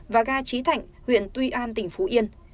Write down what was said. và ga trí thạnh huyện tuy an tỉnh phú yên